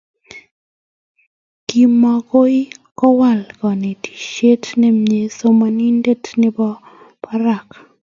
komwoi kowal kanetishe ne mii somenet ne bo barak